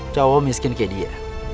cowok miskin kayak dia